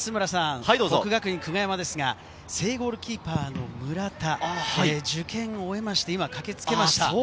國學院久我山ですが正ゴールキーパーの村田、受験を終えまして今、駆けつけました。